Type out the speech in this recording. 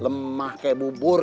lemah kayak bubur